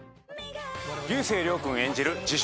竜星涼君演じる自称